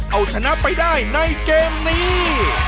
เอาชนะไปได้ในเกมนี้